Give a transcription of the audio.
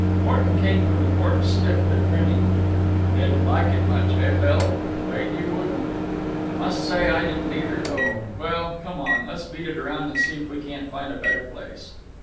Morton came from the porch stiff but grinning. "Didn't like it much, eh, Bill? Afraid you wouldn't. Must say I didn't either, though. Well, come on. Let's beat it around and see if we can't find a better place."